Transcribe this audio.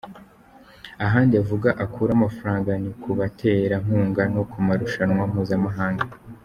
Ahandi avuga akura amafaranga ni ku batera nkunga no ku marushanwa mpuzamahanga.